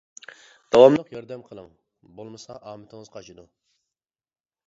داۋاملىق ياردەم قىلىڭ، بولمىسا ئامىتىڭىز قاچىدۇ.